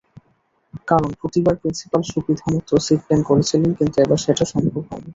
কারণ, প্রতিবার প্রিন্সিপাল সুবিধামতো সিট প্ল্যান করেিছলেন, কিন্তু এবার সেটা সম্ভব হয়নি।